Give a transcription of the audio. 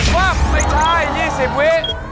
ปุ๊บไม่ใช่๒๐วิ